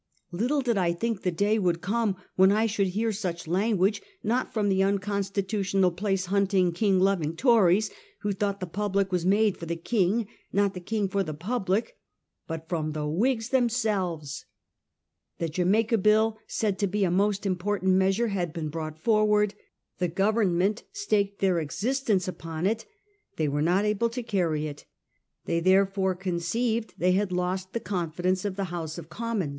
Little did I think the day would come when I should hear such language, not from the unconstitutional, place hunting, king loving Tories, who thought the public was made for the king, not the king for the public, but from the Whigs them selves ! The Jamaica Bill, said to be a most im portant measure, had been brought forward. The Government staked their existence upon it. They were not able to carry it ; they therefore conceived they had lost the confidence of the House of Commons. 1839.